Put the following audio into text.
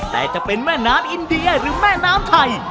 แต่จะเป็นแม่น้ำอินเดียหรือแม่น้ำไทย